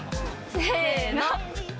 せの。